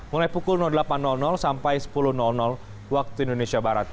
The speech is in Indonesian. mulai pukul delapan sampai sepuluh waktu indonesia barat